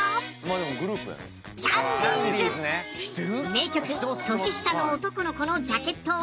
名曲『年下の男の子』のジャケットを見ると。